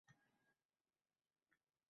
Qilguvchi koʼp tap tortmasdan gunoh ishni